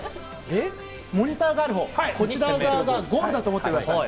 モニターがある方がゴールだと思ってください。